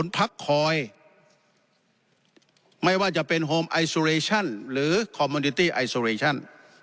พักคอยไม่ว่าจะเป็นโฮมไอซูเรชั่นหรือคอมมูนิตี้ไอโซเรชั่น